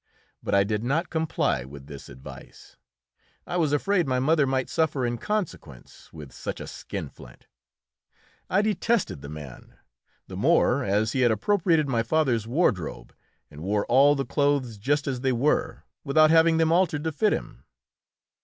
But I did not comply with this advice. I was afraid my mother might suffer in consequence, with such a skinflint. I detested the man, the more as he had appropriated my father's wardrobe and wore all the clothes just as they were, without having them altered to fit him.